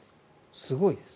すごいです。